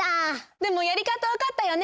でもやりかたわかったよね！